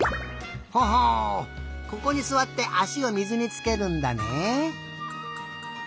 ほほうここにすわってあしを水につけるんだね。